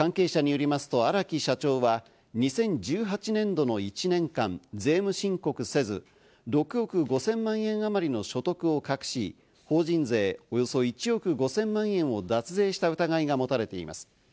関係者によりますと荒木社長は２０１８年度の１年間、税務申告せず、６億５０００万円あまりの所得を隠し、法人税およそ１億５０００万円を脱税した疑いが持たれています。